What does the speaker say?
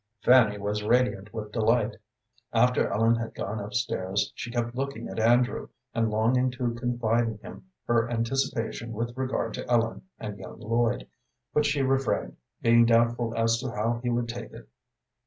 Fanny was radiant with delight. After Ellen had gone up stairs, she kept looking at Andrew, and longing to confide in him her anticipation with regard to Ellen and young Lloyd, but she refrained, being doubtful as to how he would take it.